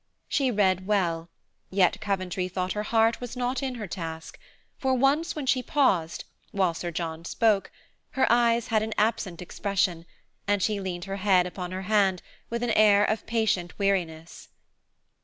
She read well, yet Coventry thought her heart was not in her task, for once when she paused, while Sir John spoke, her eyes had an absent expression, and she leaned her head upon her hand, with an air of patient weariness.